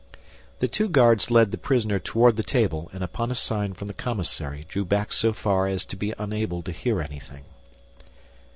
The two guards led the prisoner toward the table, and upon a sign from the commissary drew back so far as to be unable to hear anything.